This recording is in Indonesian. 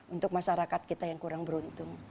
untuk masyarakat kita yang kurang beruntung